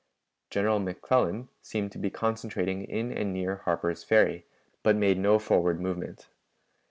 General McClellan seemed to be concentrating in and near Harper's Ferry, but made no forward movement.